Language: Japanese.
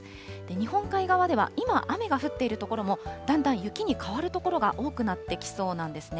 日本海側では今、雨が降っている所も、だんだん雪に変わる所が多くなってきそうなんですね。